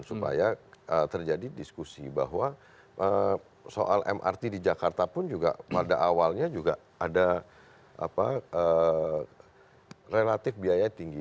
supaya terjadi diskusi bahwa soal mrt di jakarta pun juga pada awalnya juga ada relatif biaya tinggi